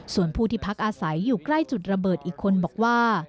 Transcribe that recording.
ส่วนผู้ที่พักอาศัยอยู่ใกล้จุดระเบิดอีกคนบอกว่า